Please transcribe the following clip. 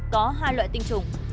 có hai loại tinh trùng